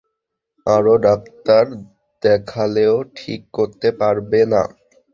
আরো ডাক্তার দেখালেও ঠিক করতে পারবে না।